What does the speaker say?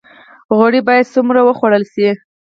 غوړي باید څومره وخوړل شي؟